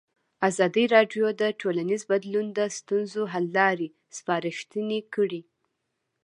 ازادي راډیو د ټولنیز بدلون د ستونزو حل لارې سپارښتنې کړي.